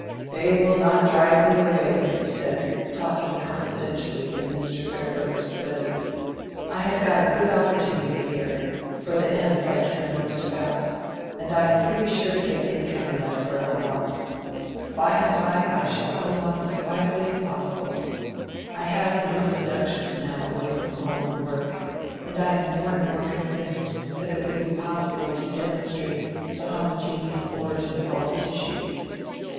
"They will not drive me away," he said, talking confidentially in Mr. Farebrother's study. "I have got a good opportunity here, for the ends I care most about; and I am pretty sure to get income enough for our wants. By and by I shall go on as quietly as possible: I have no seductions now away from home and work. And I am more and more convinced that it will be possible to demonstrate the homogeneous origin of all the tissues.